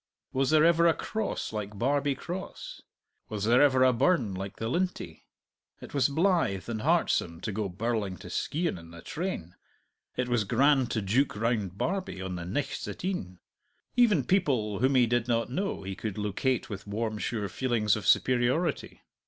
Was there ever a Cross like Barbie Cross? Was there ever a burn like the Lintie? It was blithe and heartsome to go birling to Skeighan in the train; it was grand to jouk round Barbie on the nichts at e'en! Even people whom he did not know he could locate with warm sure feelings of superiority.